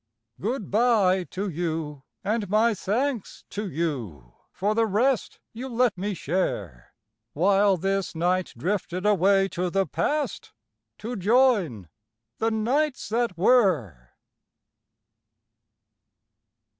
Good bye to you, and my thanks to you, for the rest you let me share, While this night drifted away to the Past, to join the Nights that Were.